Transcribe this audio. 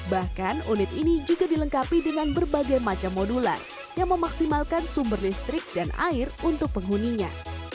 bahkan unit ini juga dilengkapi dengan berbagai macam modular yang memaksimalkan sumber listrik dan air untuk penghuninya